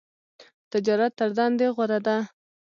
تجارت تر دندی غوره ده .